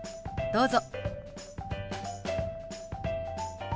どうぞ。